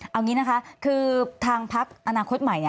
เอางี้นะคะคือทางพักอนาคตใหม่